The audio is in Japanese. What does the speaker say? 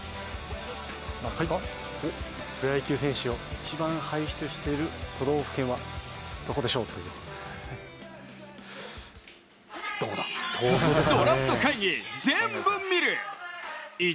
プロ野球選手を一番輩出している都道府県はどこでしょう？ということです。